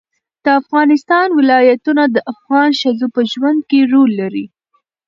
د افغانستان ولايتونه د افغان ښځو په ژوند کې رول لري.